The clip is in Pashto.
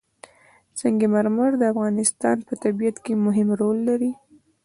سنگ مرمر د افغانستان په طبیعت کې مهم رول لري.